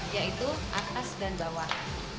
yaitu atas dan bawah